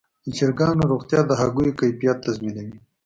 د چرګانو روغتیا د هګیو کیفیت تضمینوي.